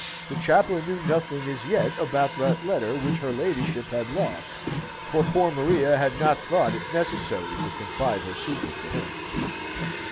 The chaplain knew nothing as yet about that letter which her ladyship had lost; for poor Maria had not thought it necessary to confide her secret to him.